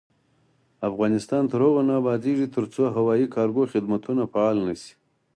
افغانستان تر هغو نه ابادیږي، ترڅو هوایي کارګو خدمتونه فعال نشي.